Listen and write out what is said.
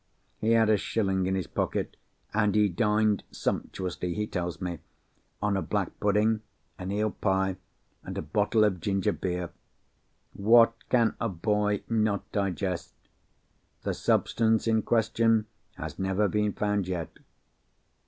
He had a shilling in his pocket; and he dined sumptuously, he tells me, on a black pudding, an eel pie, and a bottle of ginger beer. What can a boy not digest? The substance in question has never been found yet."